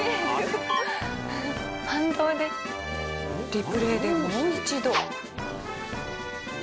リプレーでもう一度。